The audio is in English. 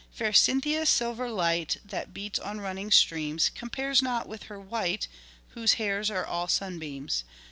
Fair Cynthia's silver light, That beats on running streams, Compares not with her white, Whose hairs are all sun beams.